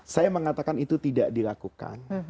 saya mengatakan itu tidak dilakukan